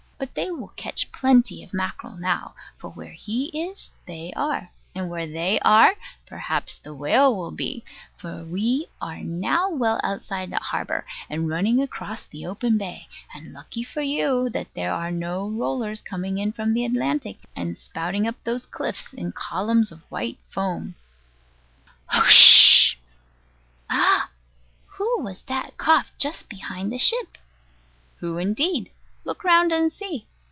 But they will catch plenty of mackerel now; for where he is they are; and where they are, perhaps the whale will be; for we are now well outside the harbour, and running across the open bay; and lucky for you that there are no rollers coming in from the Atlantic, and spouting up those cliffs in columns of white foam. "Hoch!" Ah! Who was that coughed just behind the ship? Who, indeed? look round and see.